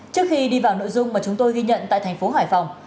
trước khi đi vào nội dung mà chúng tôi ghi nhận tại thành phố hải phòng